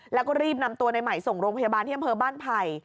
แล้วก็รีบนำตัวในใหม่ส่งโรงพยาบาลที่อำเภอบ้านไผ่